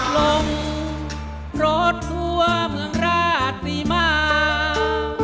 ลงรถทั่วเมืองราชสีมา